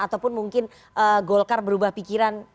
ataupun mungkin golkar berubah pikiran